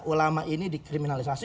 ulama ini dikriminalisasi